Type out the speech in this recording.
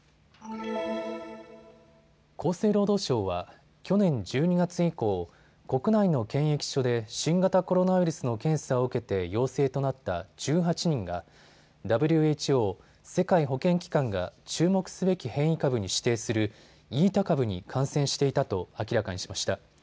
厚生労働省は去年１２月以降、国内の検疫所で新型コロナウイルスの検査を受けて陽性となった１８人がＷＨＯ・世界保健機関が注目すべき変異株に指定するイータ株に感染していたと明らかにしました。